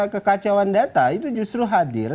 kekacauan data itu justru hadir